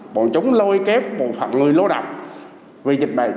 bọn chúng lôi kép một phần người lô đọc vì dịch bệnh